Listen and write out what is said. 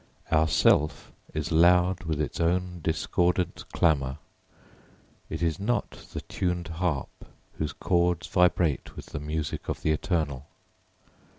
Our self is loud with its own discordant clamour it is not the tuned harp whose chords vibrate with the music of the eternal.